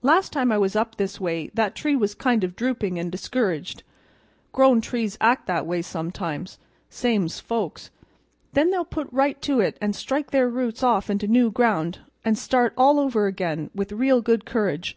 "Last time I was up this way that tree was kind of drooping and discouraged. Grown trees act that way sometimes, same's folks; then they'll put right to it and strike their roots off into new ground and start all over again with real good courage.